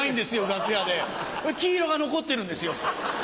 楽屋で黄色が残ってるんですよ。